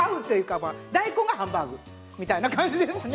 大根がハンバーグみたいな感じですね。